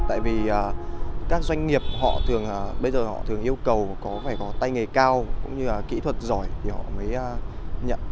tại vì các doanh nghiệp họ thường yêu cầu phải có tay nghề cao cũng như kỹ thuật giỏi thì họ mới nhận